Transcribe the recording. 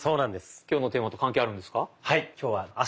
今日のテーマと関係あるんですか？